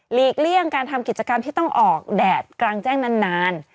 เลี่ยงการทำกิจกรรมที่ต้องออกแดดกลางแจ้งนาน